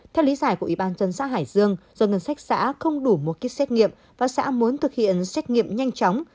theo lý giải của ủy ban dân xã hải dương do ngân sách xã không đủ một kit xét nghiệm và xã muốn thực hiện xét nghiệm nhanh chóng